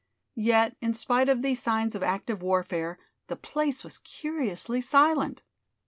Yet in spite of these signs of active warfare, the place was curiously silent.